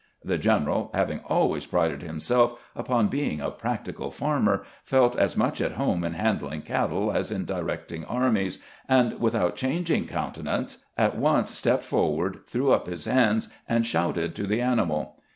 The general, having always prided himself upon being a practical farmer, felt as much at home in handling cattle as in directing armies, and without changing countenance at once stepped forward, threw up his hands, and shouted to the animal.